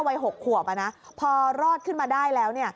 วัย๖ขวบพอรอดขึ้นมาได้แล้ว